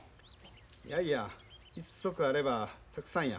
いやいや一足あればたくさんや。